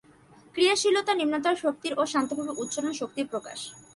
ক্রিয়াশীলতা নিম্নতর শক্তির ও শান্তভাব উচ্চতর শক্তির প্রকাশ।